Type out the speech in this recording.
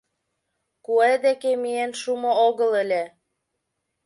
Куэ деке миен шумо огыл ыле.